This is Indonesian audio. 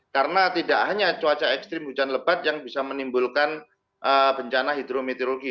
karena tidak hanya cuaca ekstrim hujan lebat yang bisa menimbulkan bencana hidrometeorologi